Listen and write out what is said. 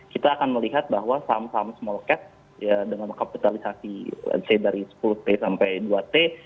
kita akan melihat bahwa saham saham small cat dengan kapitalisasi dari sepuluh t sampai dua t